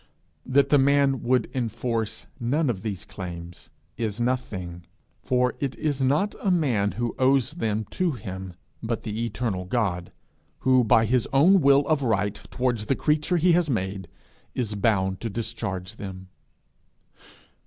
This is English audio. That the man would enforce none of these claims, is nothing; for it is not a man who owes them to him, but the eternal God, who by his own will of right towards the creature he has made, is bound to discharge them.